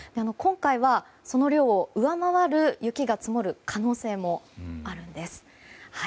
今回はその量を上回る雪が積もる可能性もあるんです。